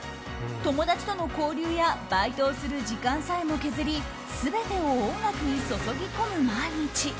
友達との交流やバイトをする時間さえも削り全てを音楽に注ぎ込む毎日。